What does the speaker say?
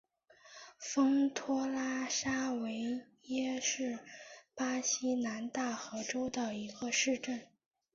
丰托拉沙维耶是巴西南大河州的一个市镇。